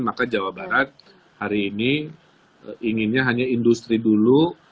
maka jawa barat hari ini inginnya hanya industri dulu